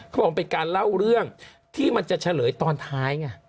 บอกเป็นการเล่าเรื่องที่มันจะเฉลยตอนท้ายไง